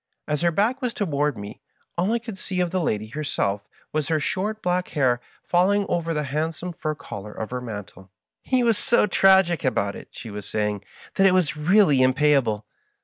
As her back was toward me, all I could see of the lady herself was her short black hair falling over the hand some fur collar of her mantle. " He was so tragic about it," she was saying, " that it was really mvpayahle.